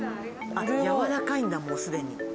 あっやわらかいんだもうすでに。